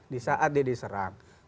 di saat dia diserang